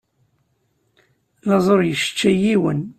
Laẓ ur yesseččay yiwen.